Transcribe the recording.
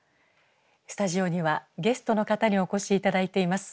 スタジオにはゲストの方にお越し頂いています。